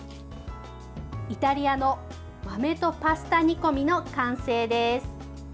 イタリアの豆とパスタ煮込みの完成です。